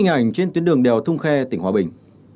hình ảnh trên tuyến đường đèo thung khe tỉnh hòa bình